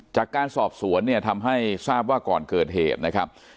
จากการสอบสวนเนี่ยทำให้ทราบว่าก่อนเกิดเหตุนะครับ